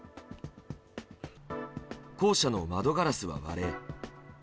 校舎の窓ガラスは割れ。